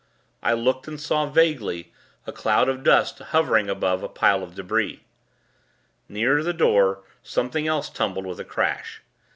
I looked, and saw, vaguely, a cloud of dust hovering above a pile of débris. Nearer the door, something else tumbled, with a crash.